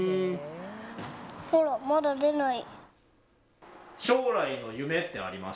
ほら、まだ出ない。